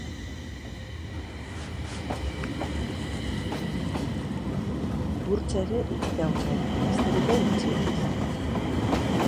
Burtsa ere itxita egongo da, astebete gutxienez.